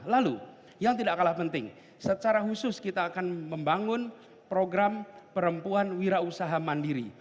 lalu yang tidak kalah penting secara khusus kita akan membangun program perempuan wira usaha mandiri